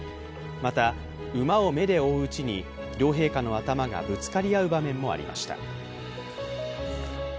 また、馬を目で追ううちに両陛下の頭がぶつかり合う場面もありました。